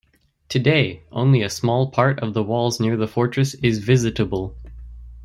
Today only a small part of the walls near the fortress is visitable.